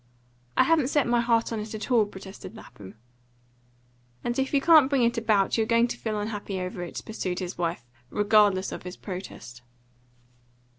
"I haven't set my heart on it at all," protested Lapham. "And if you can't bring it about, you're going to feel unhappy over it," pursued his wife, regardless of his protest.